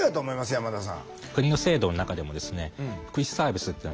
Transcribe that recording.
山田さん。